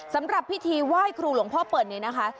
สำหรับพิธีไหว้ครูหลวงพ่อเปิ่นนี้นะคะ